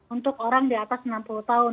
untuk orang di atas enam puluh tahun